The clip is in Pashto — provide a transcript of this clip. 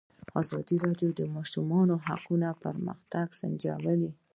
ازادي راډیو د د ماشومانو حقونه پرمختګ سنجولی.